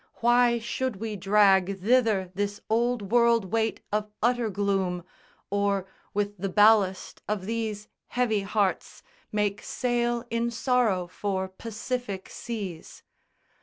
Why should we drag Thither this Old World weight of utter gloom, Or with the ballast of these heavy hearts Make sail in sorrow for Pacific Seas?